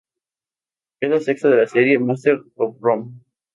Es la sexta de la serie "Masters of Rome".